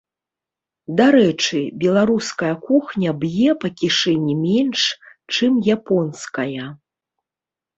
Дарэчы, беларуская кухня б'е па кішэні менш, чым японская.